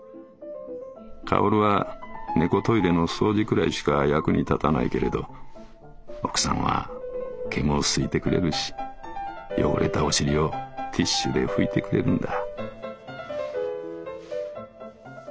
薫は猫トイレの掃除くらいしか役に立たないけれど奥さんは毛も梳いてくれるし汚れたお尻をティッシュで拭いてくれるんだ」。